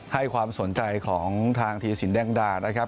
ให้ความสนใจของทางธีศศิลป์ดราษนะครับ